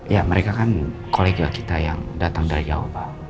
ya mereka kan kolega kita yang datang dari jawa pak